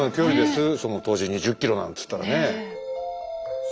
その当時に２０ｋｍなんつったらね。